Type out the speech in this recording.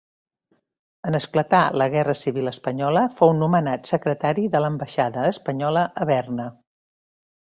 En esclatar la guerra civil espanyola fou nomenat secretari de l'ambaixada espanyola a Berna.